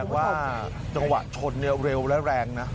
ว่าจังหวะชนเร็วและแรงนะ